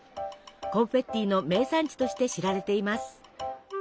コンフェッティの名産地として知られています。